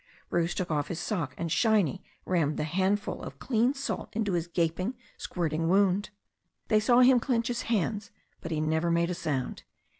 Bruce took off his sock, and Shiny rammed the handful of clean salt into his gaping, squirting wound. They saw him clench his hands, but he never made a sound.